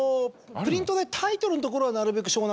プリントでタイトルのところはなるべく。